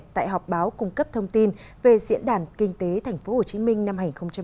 tại họp báo cung cấp thông tin về diễn đàn kinh tế thành phố hồ chí minh năm hai nghìn một mươi chín